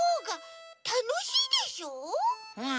うん。